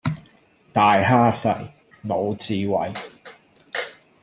大蝦細，無智慧